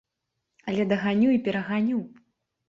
Але даганю і пераганю!